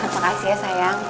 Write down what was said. makasih ya sayang